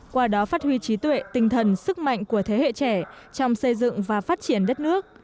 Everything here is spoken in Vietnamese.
qua đó phát huy trí tuệ tinh thần sức mạnh của thế hệ trẻ trong xây dựng và phát triển đất nước